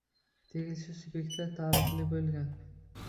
tegishli subyektga taalluqli bo‘lgan